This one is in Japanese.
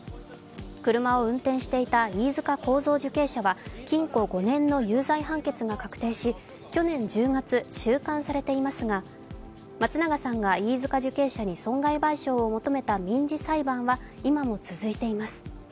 車を運転していた飯塚幸三受刑者は禁錮５年の有罪判決が確定し去年１０月、収監されていますが松永さんが飯塚受刑者に損害賠償を求めた民事裁判は、今も続いています。